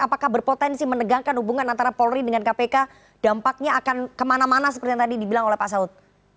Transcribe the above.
apakah berpotensi menegangkan hubungan antara polri dengan kpk dampaknya akan kemana mana seperti yang tadi dibilang oleh pak saud